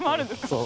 そう。